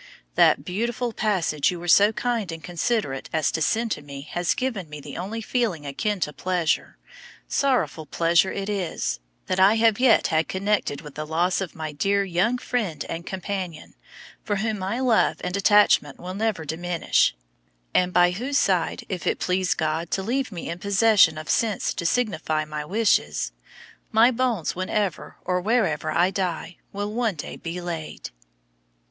That beautiful passage you were so kind and considerate as to send to me has given me the only feeling akin to pleasure, sorrowful pleasure it is, that I have yet had connected with the loss of my dear young friend and companion, for whom my love and attachment will never diminish, and by whose side, if it please God to leave me in possession of sense to signify my wishes, my bones whenever or wherever I die, will one day be laid."